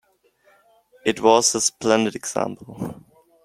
It was a splendid example.